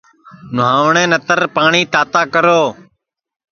نہواٹؔے نتر پاٹؔی تاتا کرو